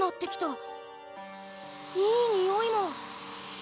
いいにおいも。